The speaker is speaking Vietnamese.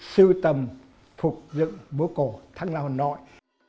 sưu tầm phục dựng múa cổ thăng long hà nội